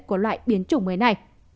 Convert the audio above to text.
của loại biến chủng mới này